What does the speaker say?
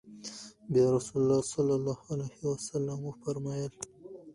بيا رسول الله صلی الله عليه وسلم وفرمايل: